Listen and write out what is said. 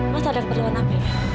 mas ada keperluan apa ya